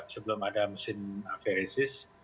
sebelum ada mesin aferesis